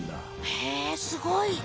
へえすごい！